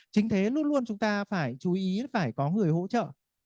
chính thế luôn luôn chúng ta phải chú ý phải có người hỗ trợ